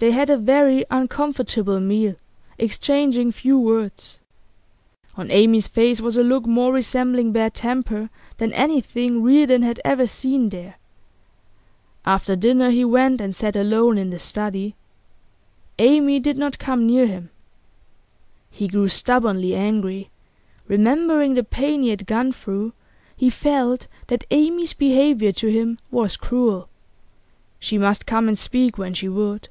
They had a very uncomfortable meal, exchanging few words. On Amy's face was a look more resembling bad temper than anything Reardon had ever seen there. After dinner he went and sat alone in the study. Amy did not come near him. He grew stubbornly angry; remembering the pain he had gone through, he felt that Amy's behaviour to him was cruel. She must come and speak when she would.